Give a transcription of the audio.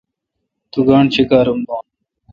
تو گانٹھ چیکّارام دون۔